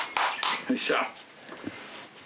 よっしゃ！